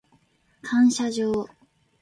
感謝状